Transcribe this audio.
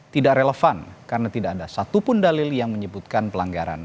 tidak relevan karena tidak ada satupun dalil yang menyebutkan pelanggaran